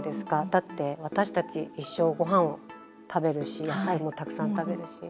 だって、私たち一生、ごはんを食べるし野菜をたくさん食べるし。